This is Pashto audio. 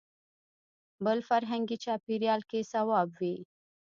بل فرهنګي چاپېریال کې صواب وي.